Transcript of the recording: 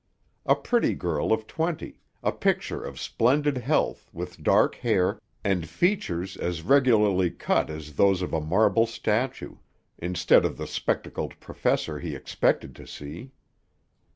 A pretty girl of twenty, a picture of splendid health, with dark hair, and features as regularly cut as those of a marble statue, instead of the spectacled professor he expected to see.